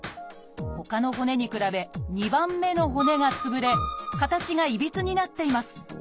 ほかの骨に比べ２番目の骨がつぶれ形がいびつになっています。